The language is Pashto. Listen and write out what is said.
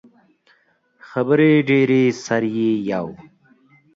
خبرې ډیرې سر ئې یؤ